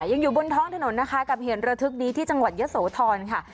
ยังอยู่บนท้องถนนนะคะกับเหตุระทึกนี้ที่จังหวัดเยอะโสธรค่ะ